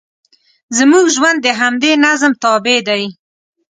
زموږ ژوند د همدې نظم تابع دی.